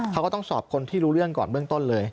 เขาก็ต้องสอบคนที่รู้เรื่องก่อนเบื้องต้นเลย